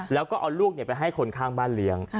แล้วก็เอาลูกไปให้คนข้างบ้านเลี้ยง